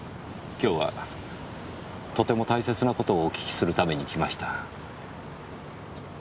今日はとても大切な事をお訊きするために来ました。